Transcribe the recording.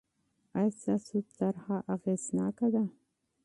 آیا ستاسو طرحه اغېزناکه ده؟